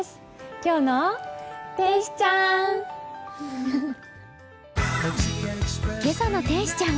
今日の天使ちゃん！